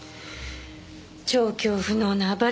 調教不能な暴れ馬